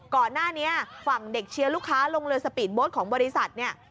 ก่อนหน้านี้ฝั่งเด็กเชียร์ลูกค้าลงเรือสปีดโบ๊ทของบริษัทเนี่ย